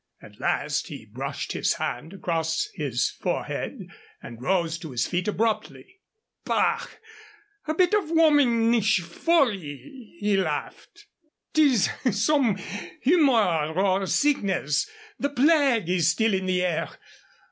At last he brushed his hand across his forehead and rose to his feet abruptly. "Bah! a bit of womanish folly!" he laughed. "'Tis some humor or sickness. The plague is still in the air.